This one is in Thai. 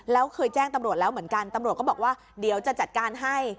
แล้วเคยแจ้งตำรวจแล้วเหมือนกันตำรวจก็บอกว่าเดี๋ยวจะจัดการให้